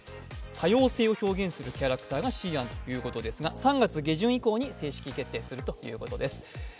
多様性を表現するキャラクターがＣ案ということですが３月下旬以降に正式決定するということです。